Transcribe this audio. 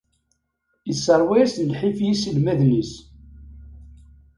Yesseṛwa-asen lḥif i yiselmaden-is.